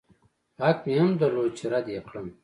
حق مې هم درلود چې رد يې کړم.